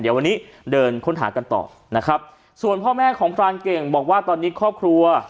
เดี๋ยววันนี้เดินค้นหากันต่อนะครับส่วนพ่อแม่ของพรานเก่งบอกว่าตอนนี้ครอบครัว